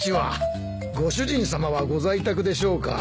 ご主人さまはご在宅でしょうか？